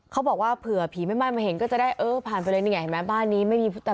เขาบอกว่าเผื่อผีแม่ไม้มาเห็นก็จะได้เออผ่านไปเลยเนี่ยบ้านนี้ไม่มีผู้ชาย